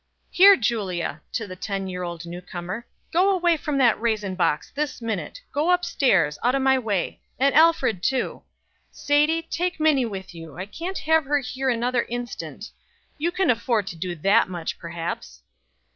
"Here, Julia" to the ten year old newcomer "Go away from that raisin box, this minute. Go up stairs out of my way, and Alfred too. Sadie, take Minnie with you; I can't have her here another instant. You can afford to do that much, perhaps."